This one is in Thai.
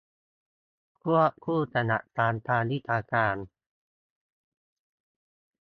ควบคู่กับหลักการทางวิชาการ